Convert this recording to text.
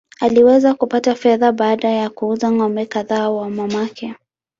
Aliweza kupata fedha baada ya kuuza ng’ombe kadhaa wa mamake.